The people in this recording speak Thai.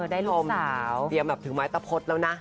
พี่ธรมเตรียมถึงไม้ตระพดแล้วนะ